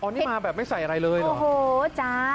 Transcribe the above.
นี่มาแบบไม่ใส่อะไรเลยเหรอโอ้โหจ๊ะ